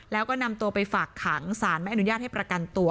แล้วก็นำตัวไปฝากขังสารไม่อนุญาตให้ประกันตัว